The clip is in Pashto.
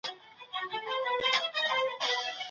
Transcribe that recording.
څوک چي واده ته پورونه کوي څه ستونزې ګالي؟